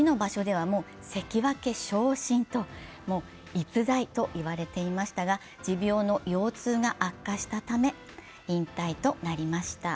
逸材といわれていましたが、持病の腰痛が悪化したため引退となりました。